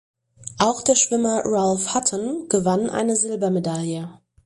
Auch der Schwimmer Ralph Hutton gewann eine Silbermedaille.